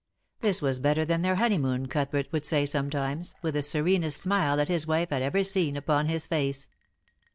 This was better than their honeymoon, Cuthbert would say sometimes, with the serenest smile that his wife had ever seen upon his face.